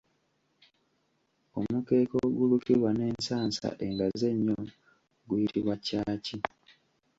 Omukeeka ogulukibwa n’ensansa engazi ennyo guyitibwa Caaci.